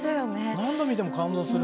何度見ても感動する。